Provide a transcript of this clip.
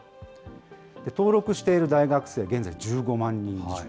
登録している大学生、現在、１５万人以上。